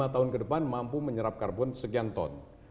lima tahun ke depan mampu menyerap karbon sekian ton